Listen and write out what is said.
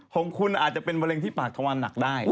ของคุณอาจจะเป็นมะเร็งที่ปากทะวันหนักได้